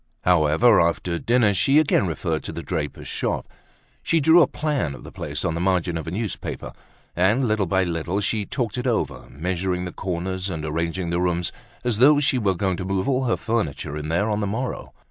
However, after dinner, she again referred to the draper's shop. She drew a plan of the place on the margin of a newspaper. And, little by little, she talked it over, measuring the corners, and arranging the rooms, as though she were going to move all her furniture in there on the morrow.